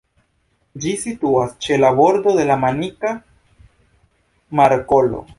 Ĝi situas ĉe la bordo de la Manika Markolo.